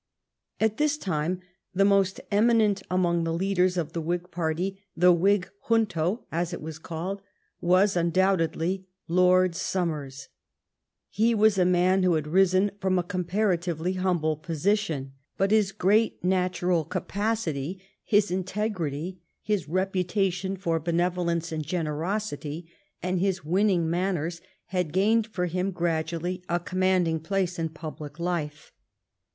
At this time the most eminent among the leaders of the Whig party, the Whig Junto, as it was called, was undoubtedlv Lord Somers. He was a man who had risen from a comparatively humble position, bnt his 324 THE TRIUMPH OP THE TORIES great natural capacity, his integrity, his reputation for benevolence and generosity, and his winning man ners had gained for him gradually a commanding place in public life.